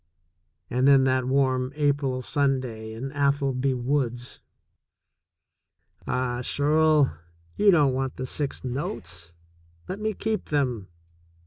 And then that warm April Sunday in Atholby woods ! Ah, Shirl, you don't want the six notes ! Let me keep them.